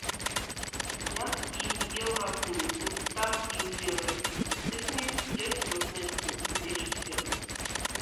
Як і ў еўрааптымізме, так і ў еўраскептыцызме ёсць розныя адценні, лічыць ён.